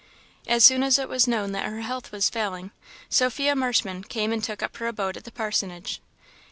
As soon as it was known that her health was failing, Sophia Marshman came and took up her abode at the parsonage.